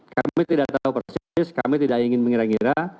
kami tidak tahu persis kami tidak ingin mengira ngira